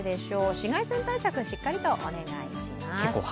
紫外線対策、しっかりとお願いします。